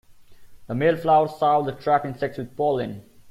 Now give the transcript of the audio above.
The male flowers shower the trapped insects with pollen.